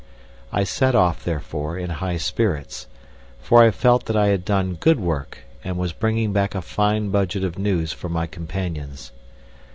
I set off, therefore, in high spirits, for I felt that I had done good work and was bringing back a fine budget of news for my companions.